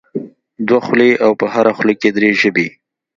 دوه خولې او په هره خوله کې درې ژبې.